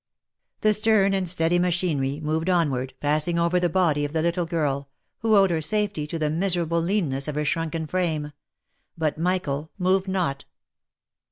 The stern and steady machinery moved onward, passing over the body of the little girl, who owed her safety to the miserable lean ness of her shrunken frame ; but Michael moved not.